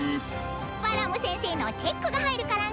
バラム先生のチェックが入るからね！